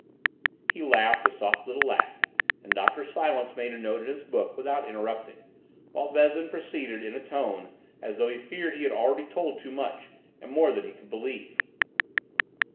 He laughed a little soft laugh, and Dr. Silence made a note in his book without interrupting, while Vezin proceeded in a tone as though he feared he had already told too much and more than we could believe.